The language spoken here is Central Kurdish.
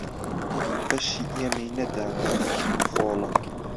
بەشی ئێمەی نەدا لەو خەست و خۆڵە